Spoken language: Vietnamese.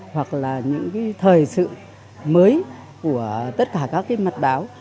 hoặc là những cái thời sự mới của tất cả các cái mặt báo